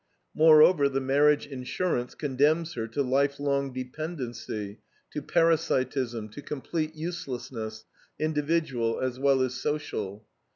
Moreover, the marriage insurance condemns her to life long dependency, to parasitism, to complete uselessness, individual as well as social.